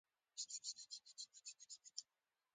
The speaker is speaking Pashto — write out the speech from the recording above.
د هېڅ یوې ډلې دواک له ټینګښت سره مرسته ونه کړه.